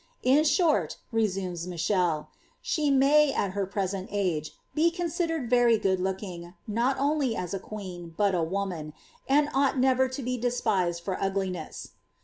^ In short," resumes Michele, '^flhe may, at her present age, be considered very good looking, not only ts a queen, but a woman, and ought never to be despised for ugliness."